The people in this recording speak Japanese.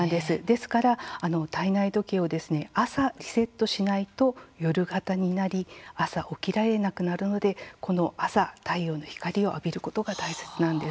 ですから体内時計を朝リセットしないと夜型になり朝起きられなくなるのでこの朝太陽の光を浴びることが大切なんです。